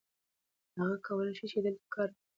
هغه کولی شي چې دلته کار وکړي.